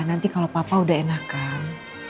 nanti kalau papa udah enak kan